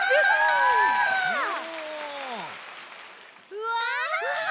うわ！